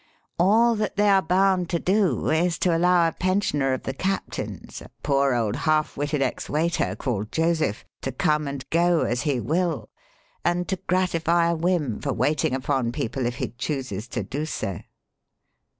All that they are bound to do is to allow a pensioner of the captain's a poor old half witted ex waiter called Joseph to come and go as he will and to gratify a whim for waiting upon people if he chooses to do so.